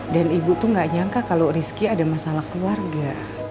ibu tuh gak nyangka kalau rizky ada masalah keluarga